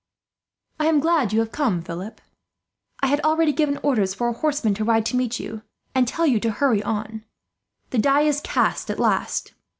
"I am glad you have come, Philip. I had already given orders for a horseman to ride to meet you, and tell you to hurry on. The die is cast, at last.